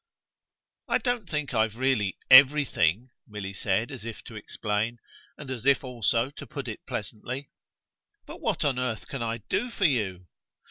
"I don't think I've really EVERYTHING," Milly said as if to explain and as if also to put it pleasantly. "But what on earth can I do for you?"